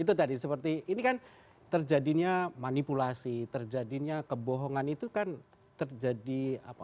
itu tadi seperti ini kan terjadinya manipulasi terjadinya kebohongan itu kan terjadi